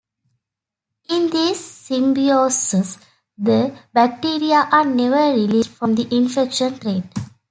In these symbioses the bacteria are never released from the infection thread.